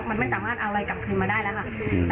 มันไม่สามารถเอาอะไรกลับคืนมาได้แล้วล่ะ